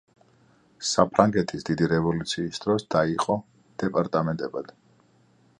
საფრანგეთის დიდი რევოლუციის დროს დაიყო დეპარტამენტებად.